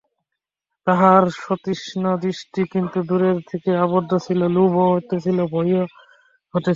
তাহার সতৃষ্ণ দৃষ্টি কিন্তু দূরের দিকে আবদ্ধ ছিল, লোভও হইতেছিল, ভয়ও হইতেছিল।